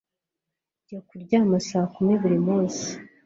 Njya kuryama saa kumi buri munsi